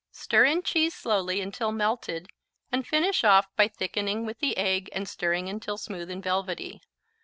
Stir in cheese slowly until melted and finish off by thickening with the egg and stirring until smooth and velvety.